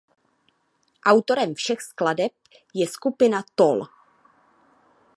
Autorem všech skladeb je skupina Tool.